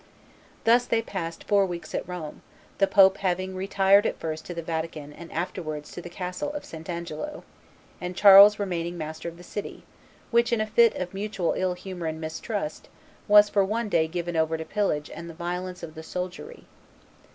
Thus they passed four weeks at Rome, the pope having retired at first to the Vatican and afterwards to the castle of St. Angelo, and Charles remaining master of the city, which, in a fit of mutual ill humor and mistrust, was for one day given over to pillage and the violence of the soldiery.